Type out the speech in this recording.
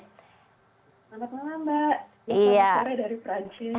selamat malam mbak